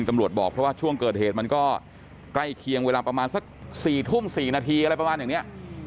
จำลวดบอกว่าช่วงเกิดเหตุมันก็ใกล้เคียงเวลาประมาณสัก๔๔นาทีมาไป